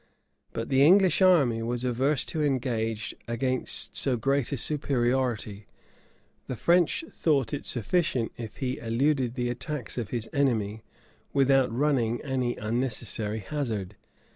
But the English monarch was averse to engage against so great a superiority: the French thought it sufficient if he eluded the attacks of his enemy, without running any unnecessary hazard.